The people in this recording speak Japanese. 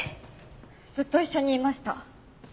ずっと一緒にいました。